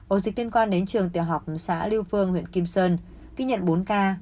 ổ dịch liên quan đến trường tiểu học xã lưu phương huyện kim sơn ghi nhận bốn ca